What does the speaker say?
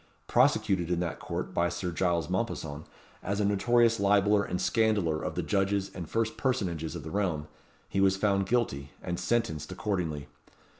Prosecuted in that court by Sir Giles Mompesson, as a notorious libeller and scandaller of the judges and first personages of the realm, he was found guilty, and sentenced accordingly.